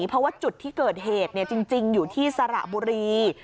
เพราะว่าจุดที่เกิดเหตุจริงอยู่ที่สระบุรี